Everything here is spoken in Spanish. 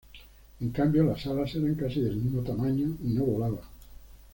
En cambio, las alas eran casi del mismo tamaño, y no volaba.